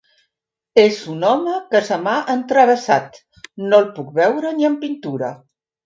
És un home que se m'ha entravessat: no el puc veure ni en pintura.